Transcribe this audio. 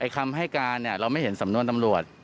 คำให้การเราไม่เห็นสำนวนตำรวจ